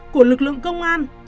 của lực lượng công an